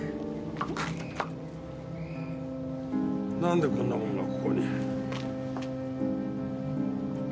なんでこんなものがここに。